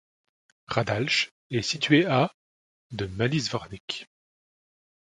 Radalj est situé à de Mali Zvornik.